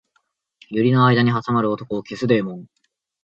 百合の間に挟まる男を消すデーモン